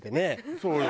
そうよ。